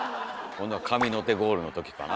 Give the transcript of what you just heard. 今度は神の手ゴールの時かな？